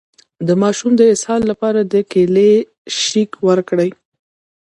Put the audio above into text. د ماشوم د اسهال لپاره د کیلي شیک ورکړئ